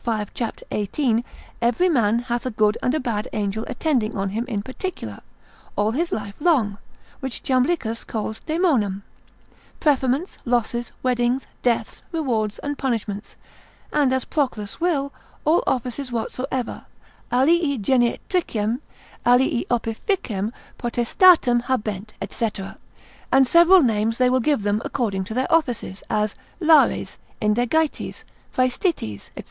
5, cap. 18, every man hath a good and a bad angel attending on him in particular, all his life long, which Jamblichus calls daemonem,) preferments, losses, weddings, deaths, rewards and punishments, and as Proclus will, all offices whatsoever, alii genetricem, alii opificem potestatem habent, &c. and several names they give them according to their offices, as Lares, Indegites, Praestites, &c.